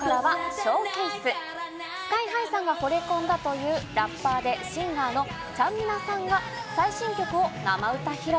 ＳＫＹ−ＨＩさんが惚れ込んだというラッパーでシンガーのちゃんみなさんが最新曲を生歌披露。